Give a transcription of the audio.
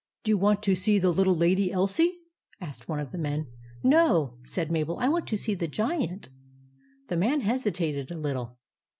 " Do you want to see the little Lady Elsie ?" asked one of the men. " No," said Mabel ;" I want to see the Giant." The man hesitated a little.